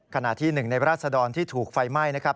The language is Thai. ขณะที่หนึ่งในราศดรที่ถูกไฟไหม้นะครับ